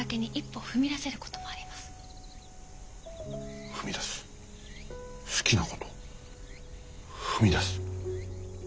踏み出す好きなこと踏み出す。